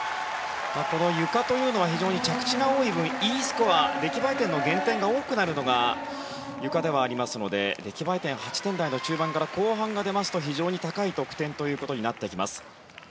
このゆかというのは着地が多い分Ｅスコア、出来栄え点の減点が多くなるのがゆかではありますので出来栄え点、８点台の中盤から後半が出ますと非常に高い得点ということになってきます。